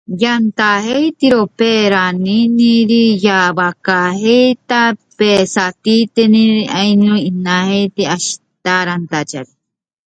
El desarrollo histórico del sector está relacionado con un asentamiento de haciendas.